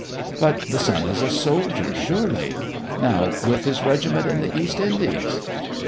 'But the son is a soldier, surely; now with his regiment in the East Indies?'